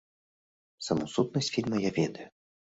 Саму сутнасць фільма я ведаю.